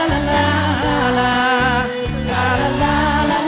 ลาลาลาลาลาลาลาลา